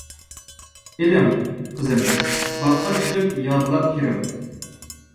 -ئېلىڭ، قىزىم، باغقا چىقىپ يادلاپ كىرىڭ.